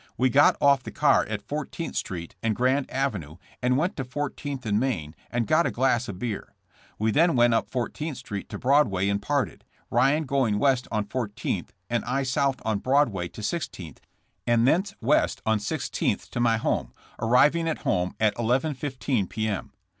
We got off the car at Fourteenth street and Grand avenue and went to Fourteenth and Main, and got a glass of beer. We then v/ent up Fourteenth street to Broad way and parted, Ryan going west on Fourt; eenth and I south on Broadway to Sixteenth and thence west on Sixteenth to my home, arriving at home at 11 :15 p. m.